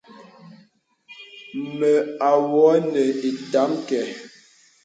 Mə awɔ̄ nə ìtam kaɛ̂.